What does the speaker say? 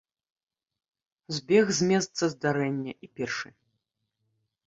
Збег з месца здарэння і першы.